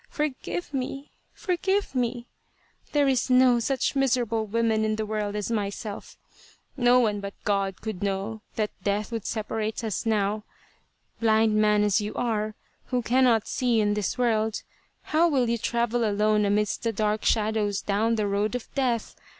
Forgive me, oh, forgive me ! There is no such miserable woman in the world as myself. No one but God could know that Death would separate us now. Blind man as you are, who cannot see in this world, how will you travel alone amidst the dark shadows down the road of Death